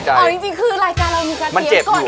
อ๋อจริงคือรายการเรามันกะเทียมกด